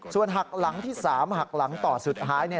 ส่วนหักหลังที่๓หักหลังต่อสุดท้าย